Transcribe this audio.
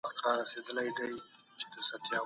جاويد احمد وفا حبيب الله قلم مل